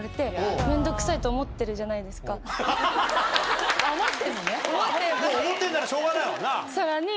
思ってんならしょうがないわな。